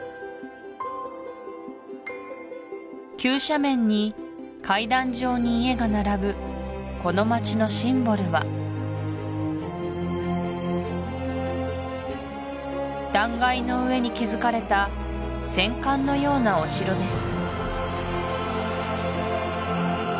急斜面に階段状に家が並ぶこの町のシンボルは断崖の上に築かれた戦艦のようなお城です